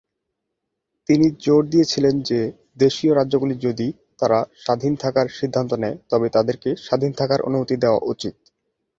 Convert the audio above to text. তিনি জোর দিয়েছিলেন যে দেশীয় রাজ্যগুলি যদি তারা স্বাধীন থাকার সিদ্ধান্ত নেয় তবে তাদেরকে স্বাধীন থাকার অনুমতি দেওয়া উচিত।